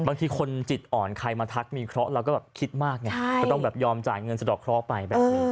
บางทีคนจิตอ่อนใครมาทักมีเคราะห์เราก็คิดมากต้องยอมจ่ายเงินสะดอกเคราะห์ไป